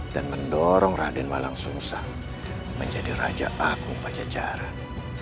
dan mendorong rade walang sungsang menjadi raja aku pada jalan